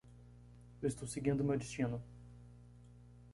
Eu estou seguindo meu destino.